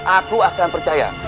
aku akan percaya